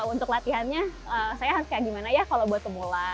untuk latihannya saya harus kayak gimana ya kalau buat pemula